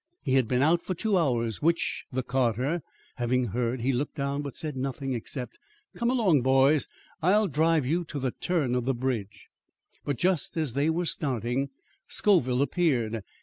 He had been out for two hours; which the carter having heard, he looked down, but said nothing except 'Come along, boys! I'll drive you to the turn of the bridge.' "But just as they were starting Scoville appeared.